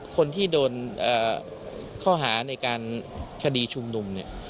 คนที่โดนข้อหาในการคดีชุมนุมเนี่ย